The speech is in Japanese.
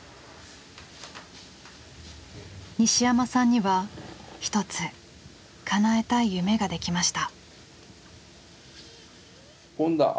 西山さんには一つかなえたい夢ができました。